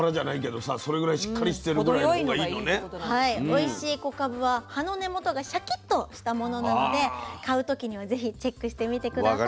おいしい小かぶは葉の根元がシャキッとしたものなので買う時には是非チェックしてみて下さい。